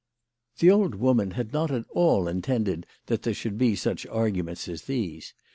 The old woman had not at all intended that there should be such arguments as these.